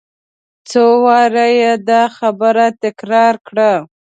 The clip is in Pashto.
څو وارې یې دا خبره تکرار کړه.